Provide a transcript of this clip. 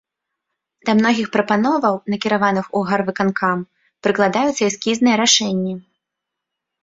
Да многіх прапановаў, накіраваных у гарвыканкам, прыкладаюцца эскізныя рашэнні.